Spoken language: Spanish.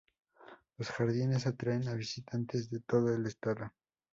Los jardines atraen a visitantes de todo el estado.